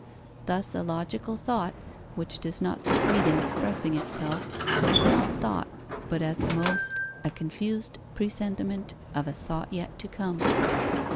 Thus a logical thought, which does not succeed in expressing itself, is not thought, but at the most, a confused presentiment of a thought yet to come.